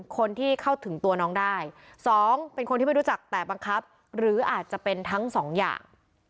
คนที่เข้าถึงตัวน้องได้๒เป็นคนที่ไม่รู้จักแต่บังคับหรืออาจจะเป็นทั้งสองอย่าง